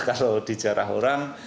kalau di jarah orang